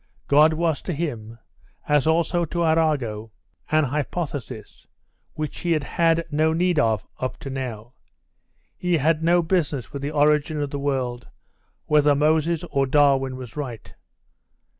God was to him, as also to Arago, an hypothesis, which he had had no need of up to now. He had no business with the origin of the world, whether Moses or Darwin was right.